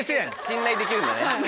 信頼できるんだね。